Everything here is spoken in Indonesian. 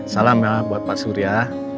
salam ya buat pasurya